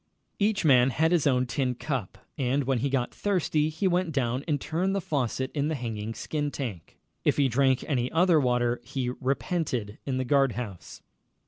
Each man had his own tin cup, and when he got thirsty he went down and turned the faucet in the hanging skin tank. If he drank any other water he repented in the guard house.